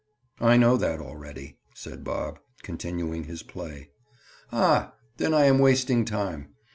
"I know that already," said Bob, continuing his play. "Ah, then I am wasting time.